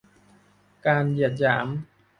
การเหยียดหยาม